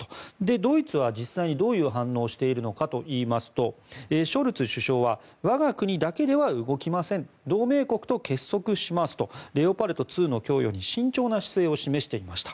ドイツは実際にどういう反応をしているのかといいますとショルツ首相は我が国だけでは動きません同盟国と結束しますとレオパルト２の供与に慎重な姿勢を示していました。